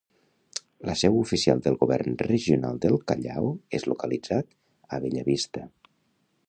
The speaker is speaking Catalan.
La seu oficial del Govern Regional del Callao és localitzat a Bellavista.